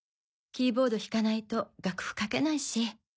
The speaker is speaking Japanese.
キーボード弾かないと楽譜書けないし。